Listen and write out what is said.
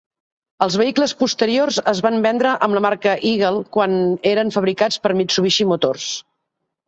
Els vehicles posteriors es van vendre amb la marca Eagle quan eren fabricats per Mitsubishi Motors.